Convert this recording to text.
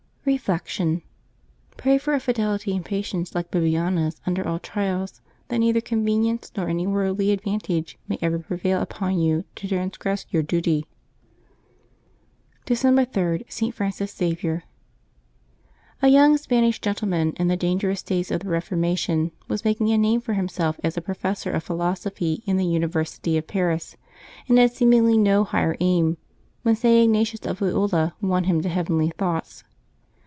Reflection. — ^^Pray for a fidelity and patience like Bibi ana^s under all trials, that neither convenience nor any worldly advantage may ever prevail upon you to transgress your duty. December 3.— ST. FRANCIS XAVIER. gYOUKG Spanish gentleman, in the dangerous days of the Eeformation, was making a name for himself as a Professor of Philosophy in the University of Paris, and had seemingly no higher aim, when St. Ignatius of Loyola won him to heavenly thoughts.